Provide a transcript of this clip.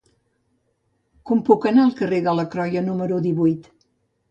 Com puc anar al carrer de Croia número divuit?